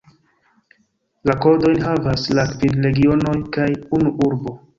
La kodojn havas la kvin regionoj kaj unu urbo.